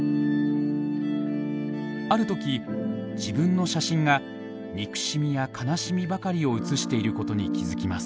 ある時自分の写真が「憎しみ」や「悲しみ」ばかりを写していることに気付きます。